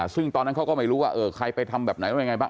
ซึ่งตอนนั้นเขาก็ไม่รู้ว่าใครไปทำแบบไหนแล้วยังไงบ้าง